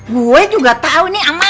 gue juga tahu ini amanah nih